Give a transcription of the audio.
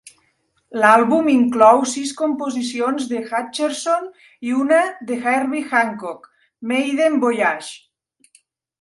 L'àlbum inclou sis composicions de Hutcherson i una de Herbie Hancock, "Maiden Voyage".